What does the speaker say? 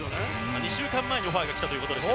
２週間前のオファーだったということですが。